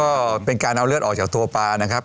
ก็เป็นการเอาเลือดออกจากตัวปลานะครับ